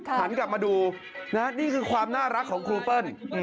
หันกลับมาดูนี่คือความน่ารักของครูเปิ้ล